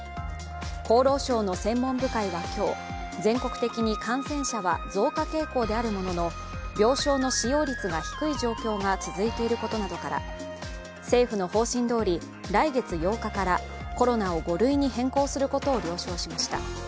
厚労省の専門部会は今日、全国的に感染者は増加傾向であるものの病床の使用率が低い状況が続いていることなどから政府の方針どおり、来月８日からコロナを５類に変更することを了承しました。